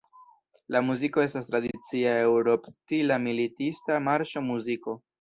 La muziko estas tradicia eŭrop-stila militista marŝo-muziko.